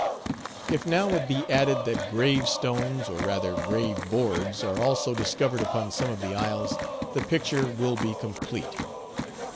If now it be added that grave stones, or rather grave boards, are also discovered upon some of the isles, the picture will be complete.